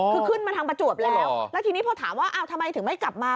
คือขึ้นมาทางประจวบแล้วแล้วทีนี้พอถามว่าอ้าวทำไมถึงไม่กลับมา